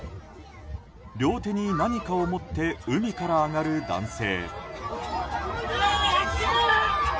両手に何かを持って海から上がる男性。